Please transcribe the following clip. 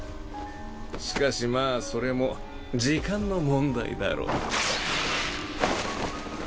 しかしまあそれも時間の問題だろう。